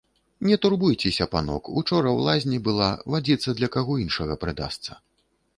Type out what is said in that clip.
Не турбуйцеся, панок, учора ў лазні была, вадзіца для каго іншага прыдасца.